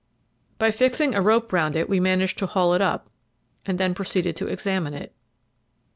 By fixing a rope round it we managed to haul it up, and then proceeded to examine it.